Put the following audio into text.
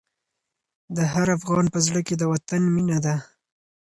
د هر افغان په زړه کې د وطن مینه ده.